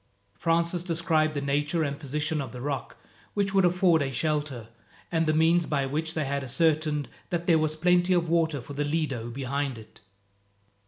Francis described the nature and position of the rock which would afford a shelter, and the means by which they had ascertained that there was plenty of water for the Lido behind it.